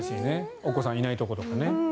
お子さんいないところだとね。